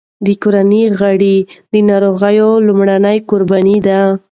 د کورنۍ غړي د ناروغ لومړني قربانیان دي.